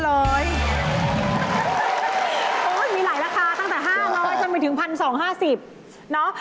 โอ๊ยมีหลายราคาตั้งแต่๕๐๐บาทจนไปถึง๑๒๕๐